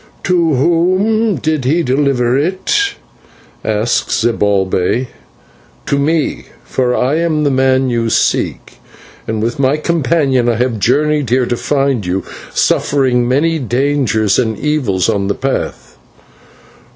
"To whom did he deliver it?" asked Zibalbay. "To me, for I am the man you seek, and with my companion I have journeyed here to find you, suffering many dangers and evils on the path."